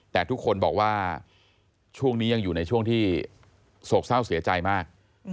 แต่ทุกคนบอกว่าช่วงนี้ยังอยู่ในช่วงที่โศกเศร้าเสียใจมาก